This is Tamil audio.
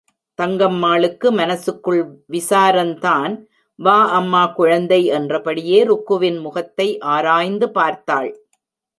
தங்கம்மாளுக்கு மனசுக்குள் விசாரந்தான்... வா அம்மா குழந்தை என்றபடியே ருக்குவின் முகத்தை ஆராய்ந்து பார்த்தாள்.